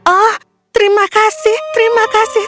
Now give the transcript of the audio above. oh terima kasih